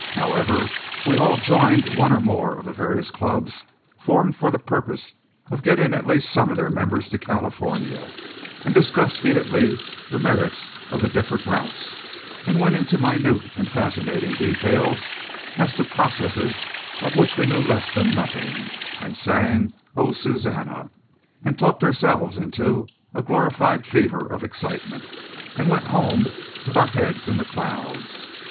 However, we all joined one or more of the various clubs formed for the purpose of getting at least some of their members to California; and discussed heatedly the merits of the different routes; and went into minute and fascinating details as to processes of which we knew less than nothing; and sang Oh, Susannah! and talked ourselves into a glorified fever of excitement; and went home with our heads in the clouds.